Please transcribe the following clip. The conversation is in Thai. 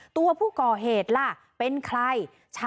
ตัวผู้ก่อเหตุล่ะเป็นใคร